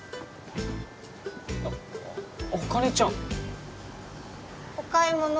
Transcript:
あっ茜ちゃんお買い物？